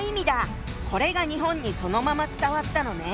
これが日本にそのまま伝わったのね。